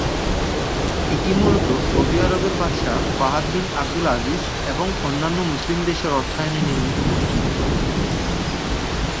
এটি মূলত সৌদি আরবের বাদশাহ ফাহাদ বিন আবদুল আজিজ এবং অন্যন্য মুসলিম দেশের অর্থায়নে নির্মিত মসজিদ।